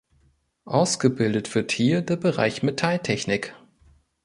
Ausgebildet wird hier der Bereich Metalltechnik.